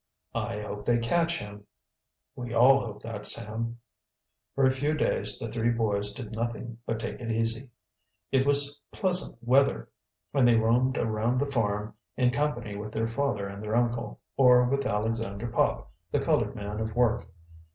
"I hope they catch him." "We all hope that, Sam." For a few days the three boys did nothing but take it easy. It was pleasant weather, and they roamed around the farm in company with their father and their uncle, or with Alexander Pop, the colored man of work.